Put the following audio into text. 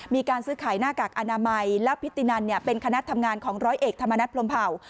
มีการซื้อขายหน้ากากอนามัยแล้วพิธีนันเป็นคณะทำงานของร้อยเอกธรรมนัฐพรมเผ่า